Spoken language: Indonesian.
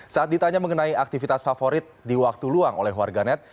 saat ditanya mengenai aktivitas favorit di waktu luang oleh warganet